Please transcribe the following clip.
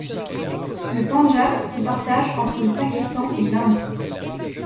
Le Pendjab se partage entre le Pakistan et l’Inde.